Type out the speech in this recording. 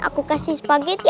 aku kasih spagetti